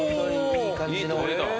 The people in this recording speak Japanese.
いい通りだ。